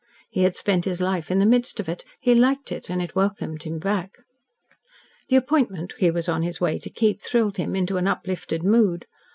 He had spent his life in the midst of it, he liked it, and it welcomed him back. The appointment he was on his way to keep thrilled him into an uplifted mood.